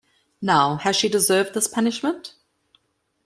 Now, has she deserved this punishment?